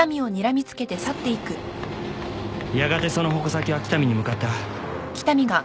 やがてその矛先は北見に向かった。